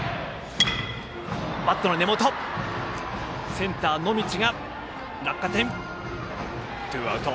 センターの野道がつかんでツーアウト。